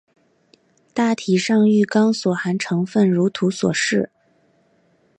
大体上玉钢所含成分如表所示。